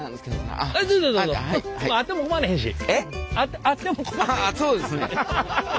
あっそうですね。